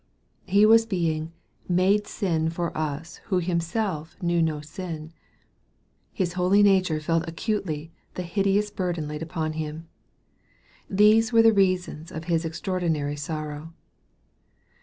He was being " made sin for us who Himself knew no sin." His holy nature felt acutely the hideous burden laid upon Him. These were the reasons of His extraordinary sorrow.